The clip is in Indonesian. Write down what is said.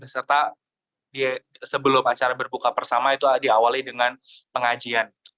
serta sebelum acara berbuka pertama itu diawali dengan pengajian